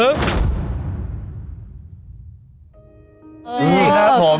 นี่ค่ะผม